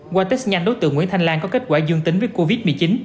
qua test nhanh đối tượng nguyễn thanh lan có kết quả dương tính với covid một mươi chín